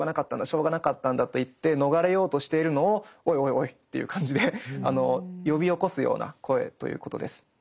しょうがなかったんだ」と言って逃れようとしているのを「おいおいおい」という感じで呼び起こすような声ということです。